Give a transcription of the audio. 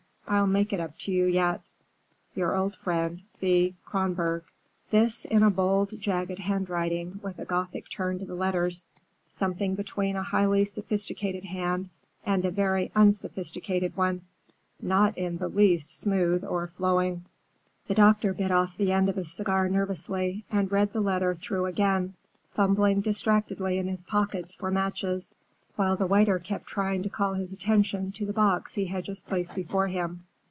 I'll make it up to you yet. Your old friend, THEA KRONBORG. This in a bold, jagged handwriting with a Gothic turn to the letters,—something between a highly sophisticated hand and a very unsophisticated one,—not in the least smooth or flowing. The doctor bit off the end of a cigar nervously and read the letter through again, fumbling distractedly in his pockets for matches, while the waiter kept trying to call his attention to the box he had just placed before him.